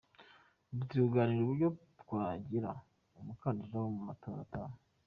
Ubu turi kuganira uburyo twagira umukandida wa mu matora ataha.